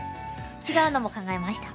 違うのも考えました。